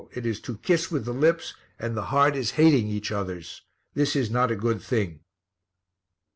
It is to kiss with the lips and the heart is hating each others. This is not a good thing."